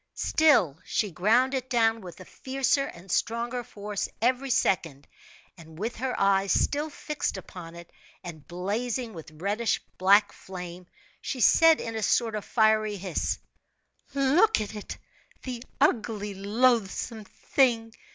Still she ground it down with a fiercer and stronger force every second; and with her eyes still fixed upon it, and blazing with reddish black flame, she said, in a sort of fiery hiss: "Look at it! The ugly, loathsome thing!